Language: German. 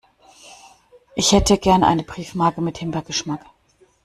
Ich hätte gern eine Briefmarke mit Himbeergeschmack.